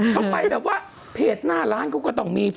เขาไปแบบว่าเพจหน้าร้านเขาก็ต้องมี